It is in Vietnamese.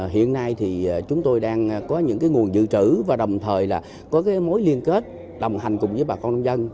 hiện nay chúng tôi đang có những nguồn dự trữ và đồng thời có mối liên kết đồng hành cùng bà con nông dân